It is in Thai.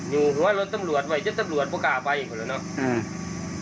อยู่หัวรถตำรวจไว้เดี๋ยวตำรวจก็กล่าวไปอีกแล้วนะ